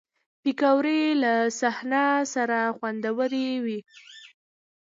پکورې له صحنه سره خوندورې وي